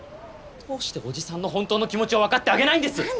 どうして叔父さんの本当の気持ちを分かってあげないんです！